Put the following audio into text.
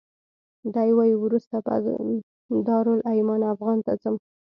دی وایي وروسته به دارالایمان افغان ته ځم.